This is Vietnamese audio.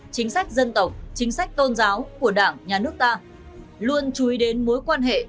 chính sách dân tộc chính sách tôn giáo của đảng nhà nước ta luôn chú ý đến mối quan hệ